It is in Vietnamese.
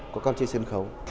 của con trên sân khấu